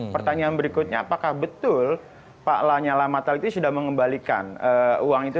pertanyaan berikutnya apakah betul pak lani alam ataliti sudah mengembalikan uang itu